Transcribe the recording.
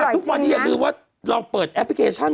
ทุกวันนี้อยากดูว่าเราเปิดแอปพลิเคชัน